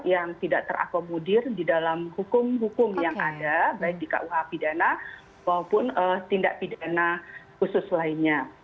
yang tidak terakomodir di dalam hukum hukum yang ada baik di kuh pidana maupun tindak pidana khusus lainnya